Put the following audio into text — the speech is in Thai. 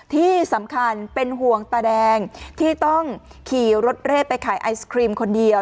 ที่สำคัญเป็นห่วงตาแดงที่ต้องขี่รถเร่ไปขายไอศครีมคนเดียว